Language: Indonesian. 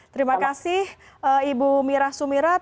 terima kasih ibu mira sumirat